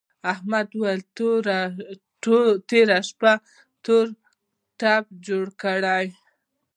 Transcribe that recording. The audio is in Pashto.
احمد دوی تېره شپه تور تيپ جوړ کړ.